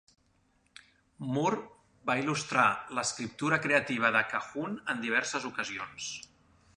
Moore va il·lustrar l'escriptura creativa de Cahun en diverses ocasions.